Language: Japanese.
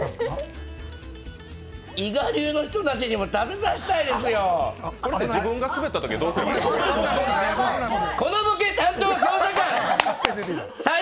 伊賀流の人たちにも食べさせたいですよ。